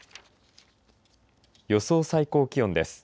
予想最高気温です。